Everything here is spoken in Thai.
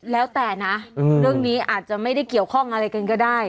แล้วแต่นะเรื่องนี้อาจจะไม่ได้เกี่ยวข้องอะไรกันก็ได้